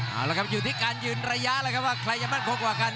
เอาละครับอยู่ที่การยืนระยะแล้วครับว่าใครจะมั่นคงกว่ากัน